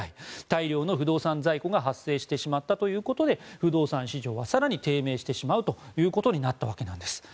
大量の不動産在庫が発生してしまったということで不動産市場は更に低迷してしまうということになったわけなんです。